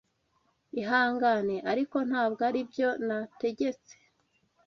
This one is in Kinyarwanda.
Ihangane, ariko ntabwo aribyo nategetse.